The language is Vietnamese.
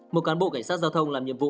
một cán bộ cảnh sát giao thông làm nhiệm vụ